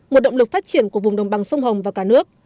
một động lực phát triển của vùng đồng bằng sông hồng và cả nước